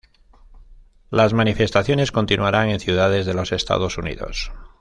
Las manifestaciones continuaron en ciudades de los Estados Unidos.